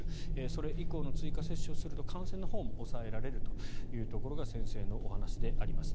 それ以降の追加接種をすると感染のほうも抑えられるというところが先生のお話であります。